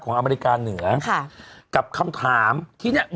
ของอเมริกาเหนือกับคำถามที่แบบ